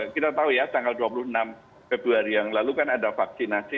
kita tahu ya tanggal dua puluh enam februari yang lalu kan ada vaksinasi